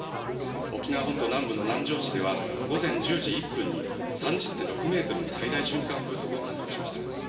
沖縄本島南部の南城市では午前１０時１分に３０．６メートルの最大瞬間風速を観測しました。